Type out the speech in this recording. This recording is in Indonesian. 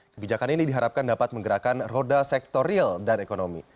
kebijakan ini diharapkan dapat menggerakkan roda sektor real dan ekonomi